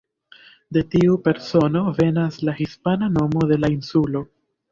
De tiu persono venas la hispana nomo de la insulo.